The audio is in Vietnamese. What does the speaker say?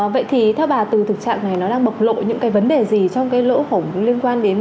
vậy thì theo bà từ thực trạng này nó đang bộc lộ những cái vấn đề gì trong cái lỗ hổng liên quan đến